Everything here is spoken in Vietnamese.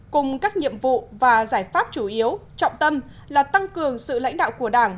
cùng các nhiệm vụ và giải pháp chủ yếu trọng tâm là tăng cường sự lãnh đạo của đảng